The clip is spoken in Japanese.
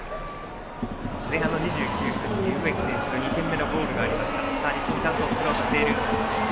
前半の２９分に植木選手の２点目のゴールがありました。